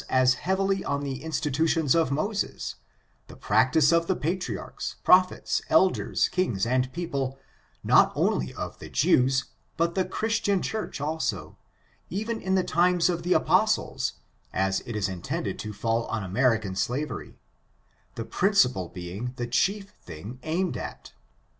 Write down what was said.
as heavily on the institutions of Moses, the practice of the patriarchs, prophets, elders, kings and people, not only of the Jews, but the Christian church also, even in the times of the apostles, as it is intended to fall on American slavery — the principle being the chief thing aimed at.